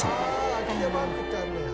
ああ空き家バンクってあんねや。